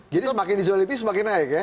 jadi semakin di zolimi semakin naik ya